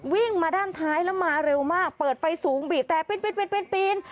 วิ่งมาด้านท้ายแล้วมาเร็วมากเปิดไฟสูงบีบแต่ปีน